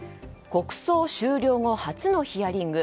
国葬終了後初のヒアリング。